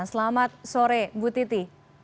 selamat sore bu titi